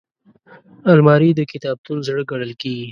الماري د کتابتون زړه ګڼل کېږي